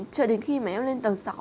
chờ đến khi mà em lên tầng sáu